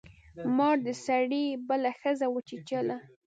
مار د سړي بله ښځه وچیچله.